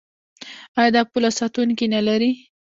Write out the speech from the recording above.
آیا دا پوله ساتونکي نلري؟